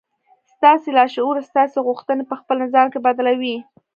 ستاسې لاشعور ستاسې غوښتنې په خپل نظام کې بدلوي.